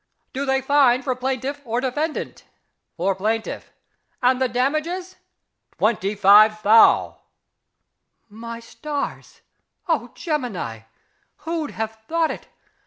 "Do they find for plaintiff or defendant?" "For plaintiff." And the damages? "Twenty five Thou!!!" My stars! O Gemini! Who'd have thought it?